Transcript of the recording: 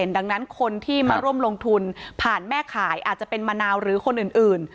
ดังนั้นคนที่มาร่วมลงทุนผ่านแม่ขายอาจจะเป็นมะนาวหรือคนอื่น